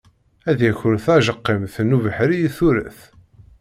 Ad yaker tajeqimt n ubeḥri i turet.